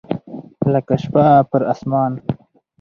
لکه شپه پر اسمان